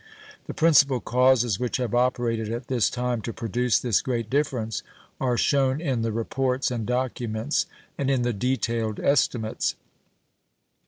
The principal causes which have operated at this time to produce this great difference are shown in the reports and documents and in the detailed estimates.